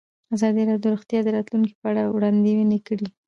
ازادي راډیو د روغتیا د راتلونکې په اړه وړاندوینې کړې.